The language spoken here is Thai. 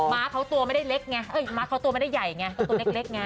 ้าเขาตัวไม่ได้เล็กไงม้าเขาตัวไม่ได้ใหญ่ไงตัวเล็กไง